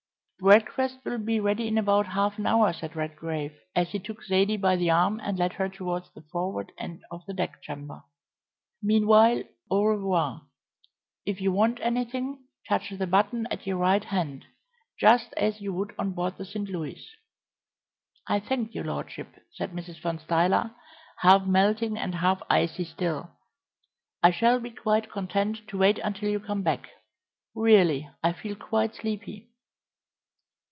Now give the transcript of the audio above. "Breakfast will be ready in about half an hour," said Redgrave, as he took Zaidie by the arm and led her towards the forward end of the deck chamber. "Meanwhile, au revoir! If you want anything, touch the button at your right hand, just as you would on board the St. Louis." "I thank your lordship," said Mrs. Van Stuyler, half melting and half icy still. "I shall be quite content to wait until you come back. Really I feel quite sleepy."